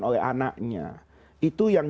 oleh anaknya itu yang